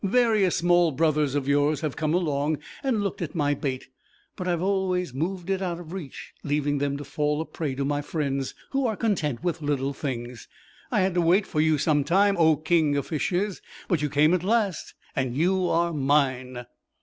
"Various small brothers of yours have come along and looked at my bait, but I've always moved it out of reach, leaving them to fall a prey to my friends who are content with little things. I had to wait for you some time, O King of Fishes, but you came at last and you are mine."